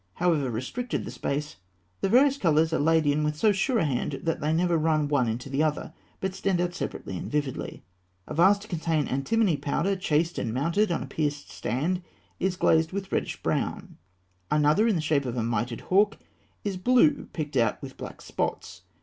However restricted the space, the various colours are laid in with so sure a hand that they never run one into the other, but stand out separately and vividly. A vase to contain antimony powder, chased and mounted on a pierced stand, is glazed with reddish brown (fig. 230). Another, in the shape of a mitred hawk, is blue picked out with black spots.